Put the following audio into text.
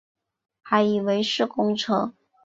还以为是公车